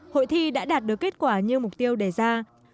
hội thi đã đạt được kết quả như mục tiêu đề ra